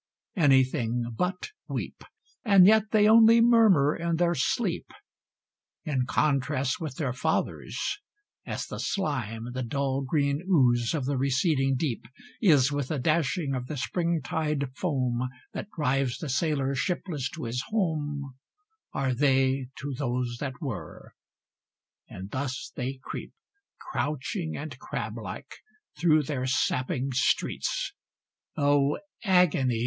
anything but weep: And yet they only murmur in their sleep. In contrast with their fathers as the slime, The dull green ooze of the receding deep, Is with the dashing of the spring tide foam That drives the sailor shipless to his home Are they to those that were; and thus they creep, Crouching and crab like, through their sapping streets. Oh, agony!